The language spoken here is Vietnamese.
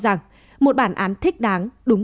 rằng một bản án thích đáng đúng